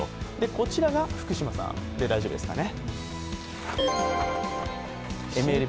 こちらが福島さんで大丈夫ですかね。